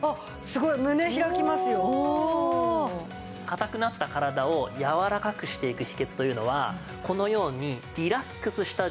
硬くなった体をやわらかくしていく秘訣というのはこのように。